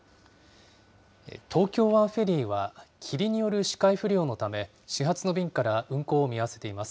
東京湾フェリーは、霧による視界不良のため、始発の便から運航を見合わせています。